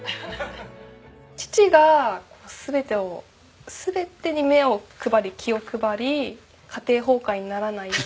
父が全てを全てに目を配り気を配り家庭崩壊にならないように。